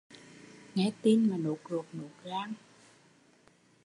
Nghe tin mà nốt ruột nốt gan